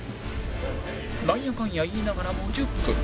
なんやかんや言いながらも１０分